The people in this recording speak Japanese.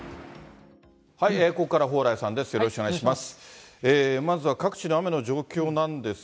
ここからは蓬莱さんです。